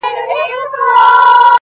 له لیري د جرس ږغونه اورمه زنګېږم!